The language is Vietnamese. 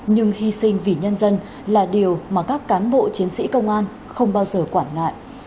nhưng hy sinh vì nhân dân là điều mà các cán bộ chiến sĩ công an không bao giờ quản ngại